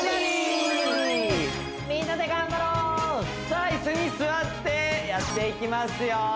さあいすに座ってやっていきますよ